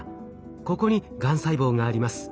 ここにがん細胞があります。